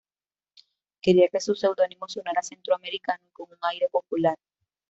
Quería que su seudónimo sonara centroamericano y con un aire popular.